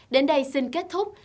đến đây xin kết thúc